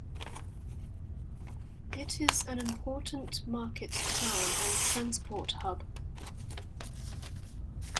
It is an important market town and transport hub.